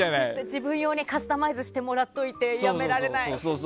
自分用にカスタマイズしてもらっててやめられない。